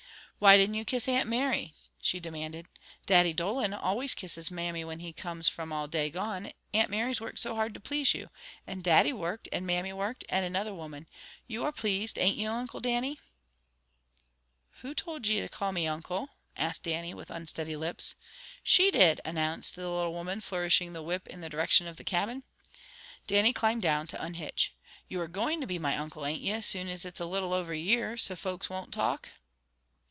"Why didn't you kiss Aunt Mary?" she demanded. "Daddy Dolan always kisses mammy when he comes from all day gone. Aunt Mary's worked so hard to please you. And Daddie worked, and mammy worked, and another woman. You are pleased, ain't you, Uncle Dannie?" "Who told ye to call me Uncle?" asked Dannie, with unsteady lips. "She did!" announced the little woman, flourishing the whip in the direction of the cabin. Dannie climbed down to unhitch. "You are goin' to be my Uncle, ain't you, as soon as it's a little over a year, so folks won't talk?"